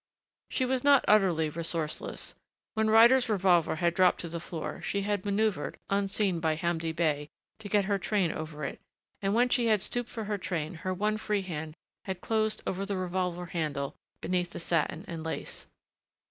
She was not utterly resourceless. When Ryder's revolver had dropped to the floor she had maneuvered, unseen by Hamdi Bey, to get her train over it, and when she had stooped for her train her one free hand had closed over the revolver handle beneath the satin and lace.